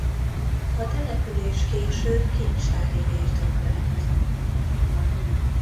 A település később kincstári birtok lett.